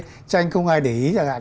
cái tranh không ai để ý chẳng hạn